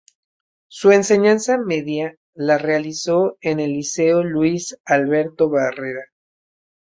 Su Enseñanza Media la realizó en el Liceo Luis Alberto Barrera.